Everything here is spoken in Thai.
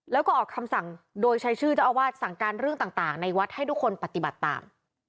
แล้วก็ออกคำสั่งโดยใช้ชื่อเจ้าอาวาสสั่งการเรื่องต่างในวัดให้ทุกคนปฏิบัติตาม